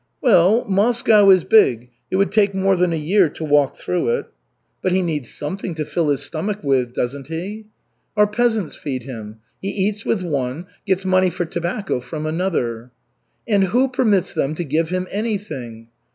"Well, Moscow is big, it would take more than a year to walk through it." "But he needs something to fill his stomach with, doesn't he?" "Our peasants feed him. He eats with one, gets money for tobacco from another." "And who permits them to give him anything?"